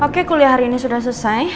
oke kuliah hari ini sudah selesai